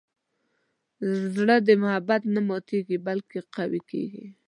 زړه د محبت نه ماتیږي، بلکې قوي کېږي.